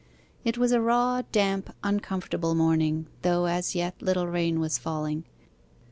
It was a raw, damp, uncomfortable morning, though, as yet, little rain was falling.